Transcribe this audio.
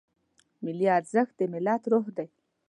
ملي ارزښت د ملت روح دی.